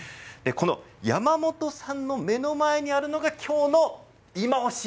この山本さんの目の前にあるのがきょうのいまオシ！